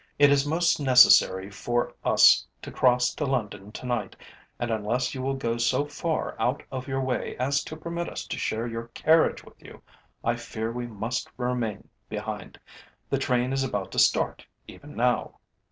It is most necessary for us to cross to London to night, and unless you will go so far out of your way as to permit us to share your carriage with you, I fear we must remain behind. The train is about to start even now."